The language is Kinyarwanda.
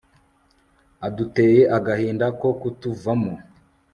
aduteye agahinda ko kutuvamo